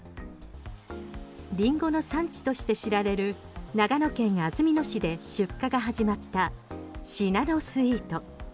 リンゴの産地として知られる長野県安曇野市で出荷が始まったシナノスイート。